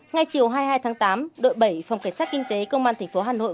ngay chiều hai mươi hai tháng tám đội bảy phòng cảnh sát kinh tế công an tp hà nội